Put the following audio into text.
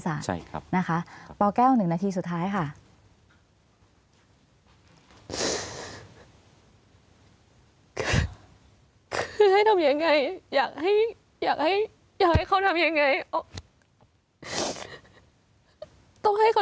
ต้องให้เขาทำยังไงต้องให้เขาไปขอร้อยยังไง